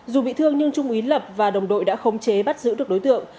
dù bị thương nhưng trung ý lập và đồng đội đã khống chế bắt giữ được đối tượng